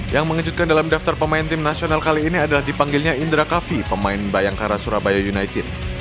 yang mengejutkan dalam daftar pemain tim nasional kali ini adalah dipanggilnya indra kavi pemain bayangkara surabaya united